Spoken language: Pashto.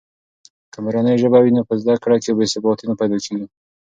که مورنۍ ژبه وي نو په زده کړه کې بې ثباتي نه پیدا کېږي.